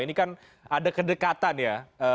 ini kan ada kedekatan ya